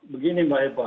begini mbak hepa